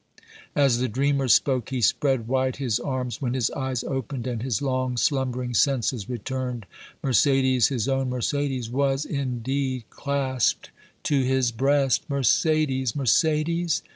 As the dreamer spoke, he spread wide his arms; when his eyes opened, and his long slumbering senses returned, Mercédès, his own Mercédès, was, indeed, clasped to his breast. "Mercédès! Mercédès?"